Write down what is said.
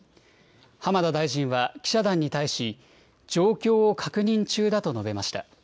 浜田大臣は記者団に対し、状況を確認中だと述べました。